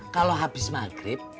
kalau abis maghrib